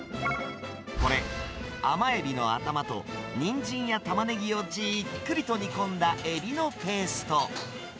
これ、甘エビの頭とニンジンやタマネギをじっくりと煮込んだエビのペースト。